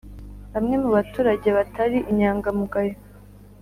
Bamwe mu baturage batari inyangamugayo